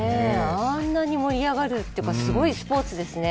あんなに盛り上がるって、すごいスポーツですね。